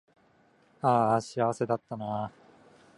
あーあ幸せだったなー